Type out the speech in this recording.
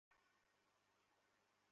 আপনি সুখে থাকুন, চাচী।